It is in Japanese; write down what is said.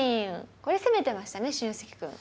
これ攻めてましたね俊介くん。